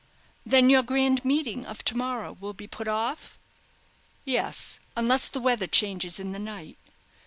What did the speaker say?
"Then your grand meeting of to morrow will be put off?" "Yes, unless the weather changes in the night."